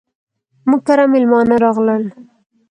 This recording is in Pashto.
موږ کره ميلمانه راغلل.